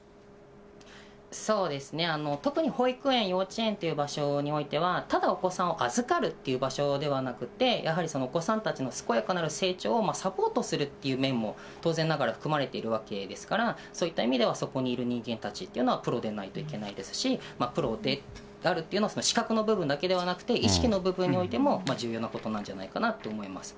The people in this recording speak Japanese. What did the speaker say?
そうですね、特に保育園、幼稚園という場所においては、ただお子さんを預かるという場所ではなくて、やはりお子さんたちの健やかなる成長をサポートするっていう面も当然ながら含まれているわけですから、そういった意味では、そこにいる人間たちというのはプロでないといけないですし、プロであるというのは、資格の部分だけではなくて意識の部分においても重要なことなんじゃないかなって思います。